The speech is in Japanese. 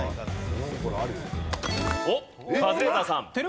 おっカズレーザーさん。